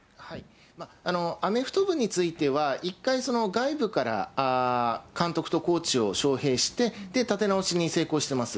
アメフト部については、一回、外部から監督とコーチを招へいして、立て直しに成功しています。